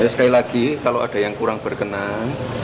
sekali lagi kalau ada yang kurang berkenan